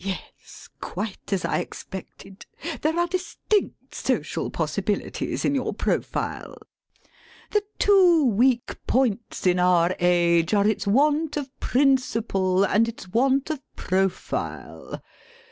] Yes, quite as I expected. There are distinct social possibilities in your profile. The two weak points in our age are its want of principle and its want of profile.